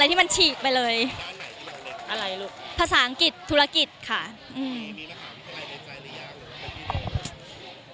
อะไรที่มันฉีกไปเลยภาษางกิจธุรกิจค่ะอืม